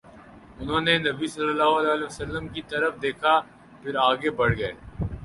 انھوں نے نبی صلی اللہ علیہ وسلم کی طرف دیکھا، پھر آگے بڑھ گئے